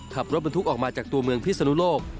ขับรถบรรทุกออกมาจากตัวเมืองพิศนุโลก